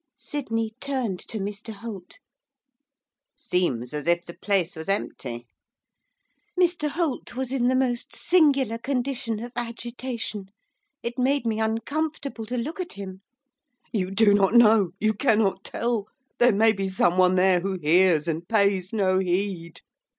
Sydney turned to Mr Holt. 'Seems as if the place was empty.' Mr Holt was in the most singular condition of agitation, it made me uncomfortable to look at him. 'You do not know, you cannot tell; there may be someone there who hears and pays no heed.